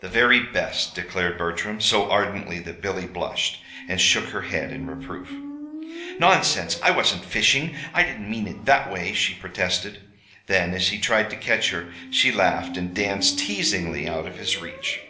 "The very best," declared Bertram so ardently that Billy blushed, and shook her head in reproof. "Nonsense! I wasn't fishing. I didn't mean it that way," she protested. Then, as he tried to catch her, she laughed and danced teasingly out of his reach.